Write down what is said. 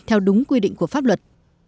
theo đúng quy định của pháp luật